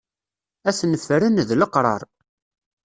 Ad ten-ffren d leqrar.